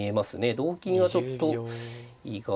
同金はちょっと意外でした。